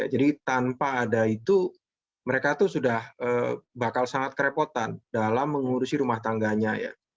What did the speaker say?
tanpa ada itu mereka tuh sudah bakal sangat kerepotan dalam mengurusi rumah tangganya ya